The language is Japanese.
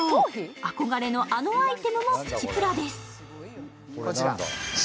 あこがれの、あのアイテムもプチプラです。